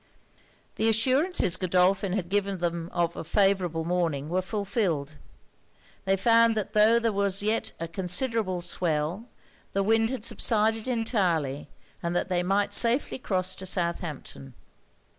The assurances Godolphin had given them of a favourable morning were fulfilled. They found that tho' there was yet a considerable swell, the wind had subsided entirely, and that they might safely cross to Southampton.